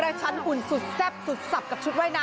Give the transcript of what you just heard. ชั้นหุ่นสุดแซ่บสุดสับกับชุดว่ายน้ำ